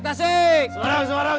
semarang semarang semarang